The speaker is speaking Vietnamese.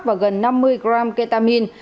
và gần năm mươi gram ketamin